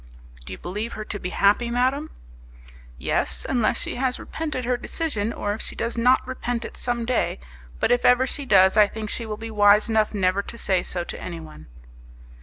"Do you believe her to be happy, madam?" "Yes, unless she has repented her decision, or if she does not repent it some day. But if ever she does, I think she will be wise enough never to say so to anyone."